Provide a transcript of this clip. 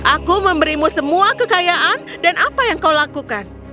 aku memberimu semua kekayaan dan apa yang kau lakukan